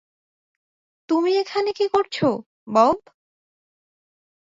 তুমি এখানে কী করছো, বব?